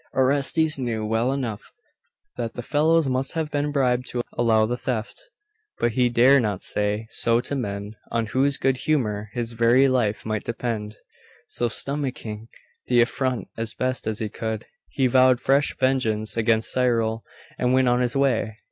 Orestes knew well enough that the fellows must have been bribed to allow the theft; but he dare not say so to men on whose good humour his very life might depend; so, stomaching the affront as best he could, he vowed fresh vengeance against Cyril, and went on his way.